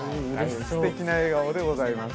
ステキな笑顔でございます。